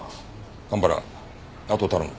蒲原あとを頼む。